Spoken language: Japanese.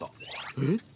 えっ？